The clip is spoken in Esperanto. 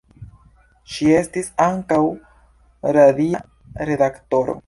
Ŝi estis ankaŭ radia redaktoro.